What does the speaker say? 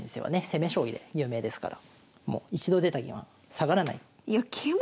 攻め将棋で有名ですから一度出た銀は下がらない。